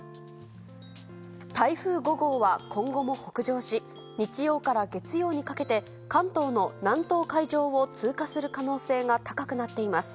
台風５号は今後も北上し日曜から月曜にかけて関東の南東海上を通過する可能性が高くなっています。